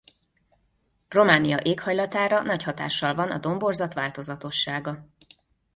Románia éghajlatára nagy hatással van a domborzat változatossága.